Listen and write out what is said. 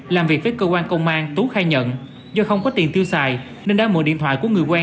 làm việc với cơ quan công an tú khai nhận do không có tiền tiêu xài nên đã mượn điện thoại của người quen